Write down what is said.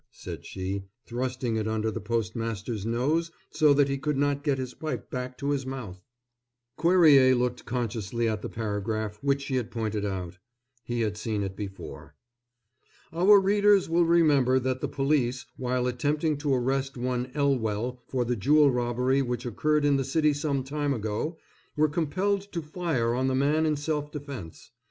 said she, thrusting it under the postmaster's nose so that he could not get his pipe back to his mouth. Cuerrier looked consciously at the paragraph which she had pointed out. He had seen it before. "Our readers will remember that the police, while attempting to arrest one Ellwell for the jewel robbery which occurred in the city some time ago, were compelled to fire on the man in self defence.